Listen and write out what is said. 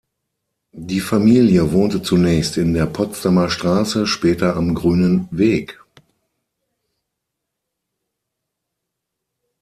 Die Familie wohnte zunächst in der Potsdamer Straße, später am Grünen Weg.